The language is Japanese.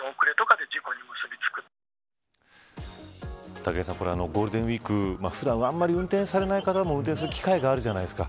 武井さん、ゴールデンウイーク普段あんまり運転されない方も運転する機会があるじゃないですか。